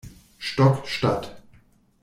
Stock statt.